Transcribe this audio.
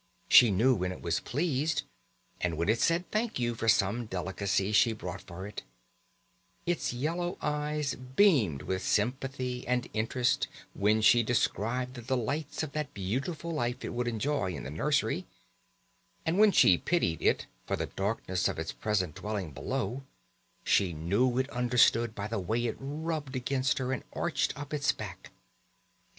She knew when it was pleased, and when it said "Thank you" for some delicacy she brought for it; its yellow eyes beamed with sympathy and interest when she described the delights of that beautiful life it would enjoy in the nursery; and when she pitied it for the darkness of its present dwelling below, she knew it understood by the way it rubbed against her and arched up its back.